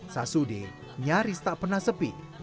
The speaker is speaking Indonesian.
sasude nyaris tak pernah sepi